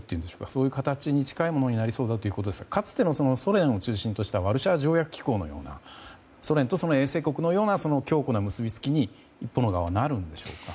そういう形に近いものになりそうだということですがかつてのソ連を中心としたワルシャワ条約機構のようなソ連とソ連衛星国のような強固な結びつきになるんでしょうか。